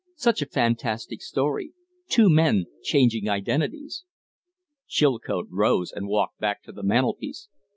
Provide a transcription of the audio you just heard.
Such a fantastic story. Two men changing identities." Chilcote rose and walked back to the mantel piece.